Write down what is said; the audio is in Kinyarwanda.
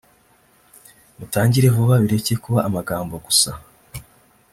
mutangire vuba bireke kuba amagambo gusa